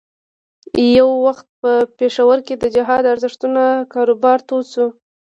یو وخت په پېښور کې د جهاد ارزښتونو کاروبار تود شو.